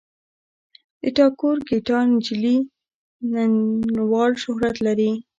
د ټاګور ګیتا نجلي نړیوال شهرت لري.